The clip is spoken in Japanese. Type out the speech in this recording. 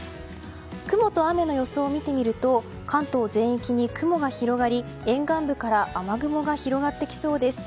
雲と雨の予想を見てみると関東全域に雲が広がり、沿岸部から雨雲が広がってきそうです。